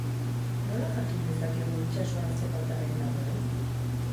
Nola jakin dezakegu itsasoan zenbat arrain dagoen?